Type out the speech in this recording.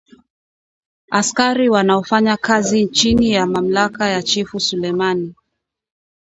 Askari wanaofanya kazi chini ya mamlaka ya chifu Sulemani